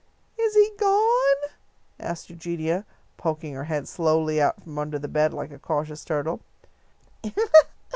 "Is he gone?" asked Eugenia, poking her head slowly out from under the bed like a cautious turtle.